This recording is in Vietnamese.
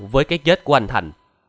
với cái chết của anh thành